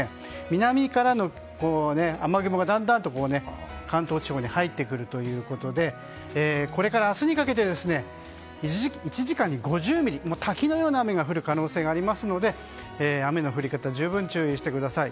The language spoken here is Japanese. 南からの雨雲がだんだんと関東地方に入ってくるということでこれから明日にかけて１時間に５０ミリ滝のような雨が降る可能性がありますので雨の降り方に十分注意してください。